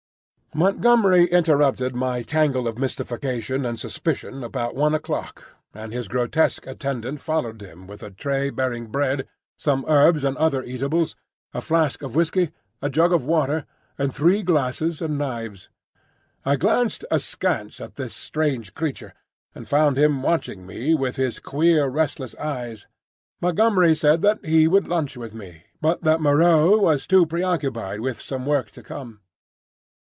Montgomery interrupted my tangle of mystification and suspicion about one o'clock, and his grotesque attendant followed him with a tray bearing bread, some herbs and other eatables, a flask of whiskey, a jug of water, and three glasses and knives. I glanced askance at this strange creature, and found him watching me with his queer, restless eyes. Montgomery said he would lunch with me, but that Moreau was too preoccupied with some work to come.